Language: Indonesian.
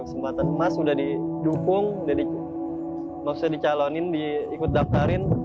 kesempatan emas udah didukung udah mau saya dicalonin diikut daftarin